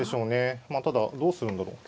まあただどうするんだろう。